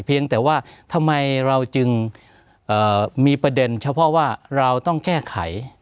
เพียงแต่ว่าทำไมเราจึงมีประเด็นเฉพาะว่าเราต้องแก้ไข